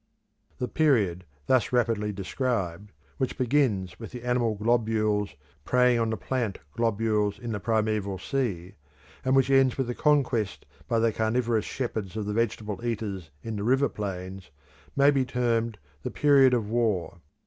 The period thus rapidly described, which begins with the animal globules preying on the plant globules in the primeval sea, and which ends with the conquest by the carnivorous shepherds of the vegetable eaters in the river plains, may be termed the Period of War.